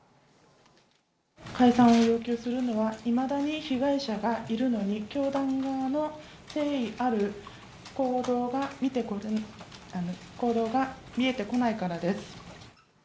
解散を要求するのは、いまだに被害者がいるのに、教団側の誠意ある行動が見えてこないからです。